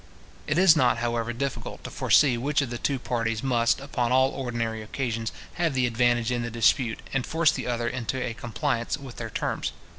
It is not, however, difficult to foresee which of the two parties must, upon all ordinary occasions, have the advantage in the dispute, and force the other into a compliance with their terms.